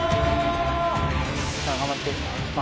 頑張って。